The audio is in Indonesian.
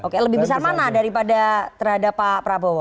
oke lebih besar mana daripada terhadap pak prabowo